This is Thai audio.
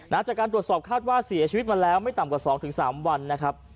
จากการตรวจสอบคาดว่าเสียชีวิตมาแล้วไม่ต่ำกว่า๒๓วันนะครับ